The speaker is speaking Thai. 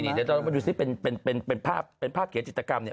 เดี๋ยวต้องมาดูซิเป็นภาพเขียนจิตรกรรมเนี่ย